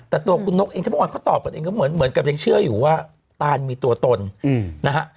แต่ตัวนกเองทั้งหมดก็ตอบกันเองก็เหมือนกับเองเชื่ออยู่ว่าตานมีตัวตนนะฮะ